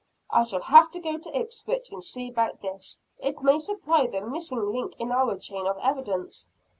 "I shall have to go to Ipswich, and see about this, it may supply the missing link in our chain of evidence!"